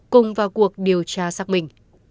cùng vào cuộc điều tra xác minh